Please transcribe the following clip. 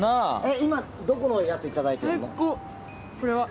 今、どこのやついただいてるの？